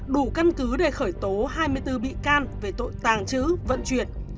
đủ căn cứ để khởi tố hai mươi bốn bị can về tội tàng trữ vận chuyển